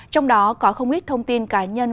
trong đó có không ít thông tin cá nhân